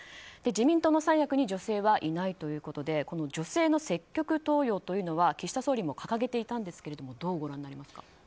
自民党の三役に女性はいないということで女性の積極登用は岸田総理も掲げていたんですけどどうご覧になりますか？